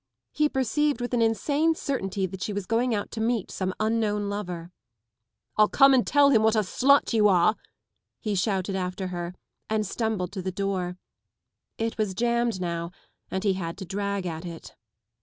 He perceived with an insane certainty that she was going out to meet some unknown lover. " I'll come and tell him what a slut you are! " he shouted after her and stumbled to the door. It was jammed now and he had to drag at it.